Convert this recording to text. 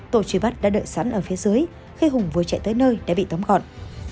tổ truy bắt đã đợi sẵn ở phía dưới khi hùng vừa chạy tới nơi đã bị tóm gọn